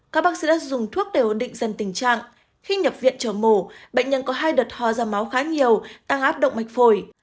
các bác sĩ dùng thuốc để ổn định dần tình trạng khi nhập viện trở mổ bệnh nhân có hai đợt ho ra máu khá nhiều tăng áp động mạch phổi